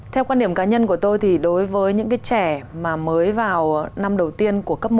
theo quan điểm cá nhân của tôi thì đối với những cái trẻ mà mới vào năm đầu tiên của cấp một